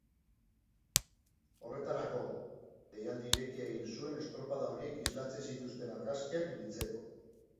Horretarako, deialdi irekia egin zuen estropada horiek islatzen zituzten argazkiak biltzeko.